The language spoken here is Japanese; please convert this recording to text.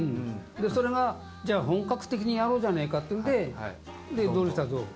でそれがじゃあ本格的にやろうじゃねえかっていうんででドリフターズを。